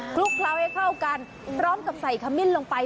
ลุกเคล้าให้เข้ากันพร้อมกับใส่ขมิ้นลงไป